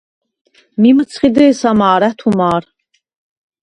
მი მჷცხი დე̄სა მა̄რ, ა̈თუ მა̄რ.